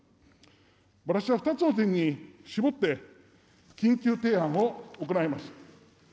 私は２つの点に絞って緊急提案を行います。